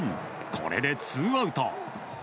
これでツーアウト。